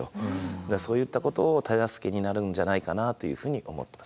そういったことを手助けになるんじゃないかなというふうに思ってます。